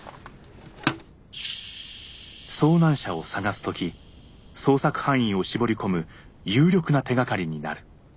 遭難者を捜す時捜索範囲を絞り込む有力な手がかりになる。